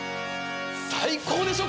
最高でしょ？